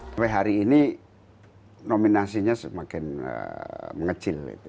sampai hari ini nominasinya semakin mengecil